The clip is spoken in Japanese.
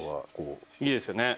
いいですよね。